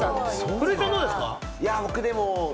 古井さん、どうですか？